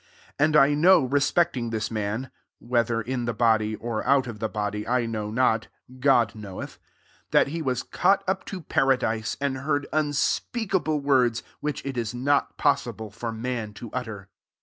3 And I know reefiect' ing this man, (whether in the body, or out of the body, I know not, God knoweth,) 4 that he was caught up to paradise, and heard unspeak able words which it is not pos sible for man to utter.